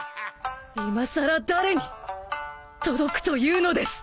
いまさら誰に届くというのです！